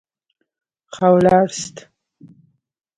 ښه ولاړاست.